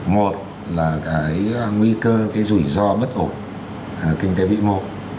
một là cái nguy cơ cái rủi ro bất ổn kinh tế bị mộ